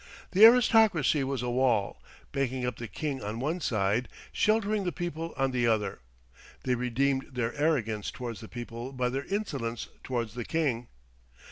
The aristocracy was a wall, banking up the king on one side, sheltering the people on the other. They redeemed their arrogance towards the people by their insolence towards the king.